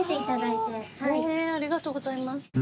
へぇーありがとうございます。